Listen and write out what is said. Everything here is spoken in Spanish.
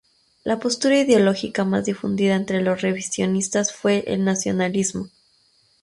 La postura ideológica más difundida entre los revisionistas fue el nacionalismo.